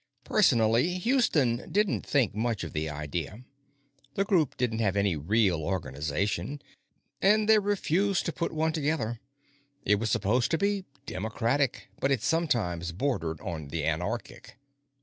Personally, Houston didn't think much of the idea; the Group didn't have any real organization, and they refused to put one together. It was supposed to be democratic, but it sometimes bordered on the anarchic.